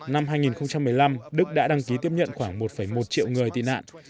năm hai nghìn một mươi năm đức đã đăng ký tiếp nhận khoảng một một triệu người tị nạn